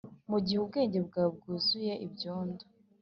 ' mugihe ubwenge bwawe bwuzuye ibyondo,